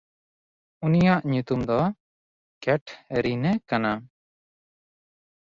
ᱩᱱᱤᱭᱟᱜ ᱧᱩᱛᱩᱢ ᱫᱚ ᱠᱮᱴᱷᱮᱨᱤᱱᱮ ᱠᱟᱱᱟ᱾